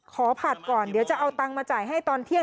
ผัดก่อนเดี๋ยวจะเอาตังค์มาจ่ายให้ตอนเที่ยง